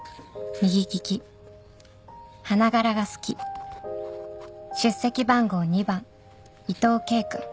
「右利き花柄が好き」「出席番号２番伊藤慧くん」